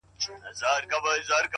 هره هڅه د شخصیت برخه جوړوي.!